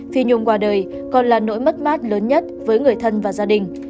phi nhung qua đời còn là nỗi mất mát lớn nhất với người thân và gia đình